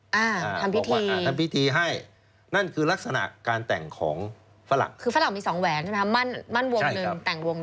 อ่าทำพิธีอ่าทำพิธีให้นั่นคือลักษณะการแต่งของฝรั่งคือฝรั่งมีสองแหวนใช่ไหมคะมั่นมั่นวงหนึ่งแต่งวงหนึ่ง